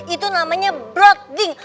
itu namanya broding